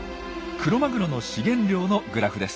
クロマグロの資源量のグラフです。